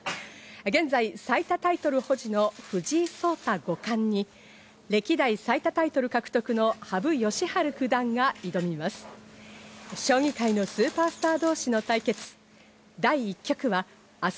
現在最多タイトル保持の藤井聡太五冠に歴代最多タイトル獲得の羽生善治九段が挑みます。